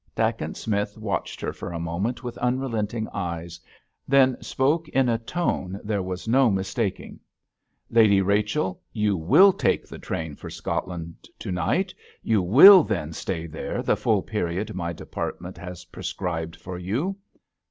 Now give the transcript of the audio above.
Dacent Smith watched her for a moment with unrelenting eyes, then spoke in a tone there was no mistaking. "Lady Rachel, you will take the train for Scotland to night. You will then stay there the full period my department has prescribed for you."